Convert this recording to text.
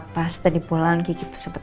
pas tadi pulang gigi tersebut